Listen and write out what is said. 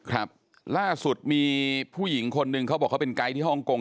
ครับล่าสุดมีผู้หญิงคนหนึ่งเขาบอกเขาเป็นไกด์ที่ฮ่องกง